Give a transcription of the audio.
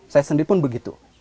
saya sendiri pun begitu